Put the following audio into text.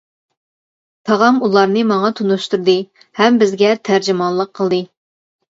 تاغام ئۇلارنى ماڭا تونۇشتۇردى ھەم بىزگە تەرجىمانلىق قىلدى.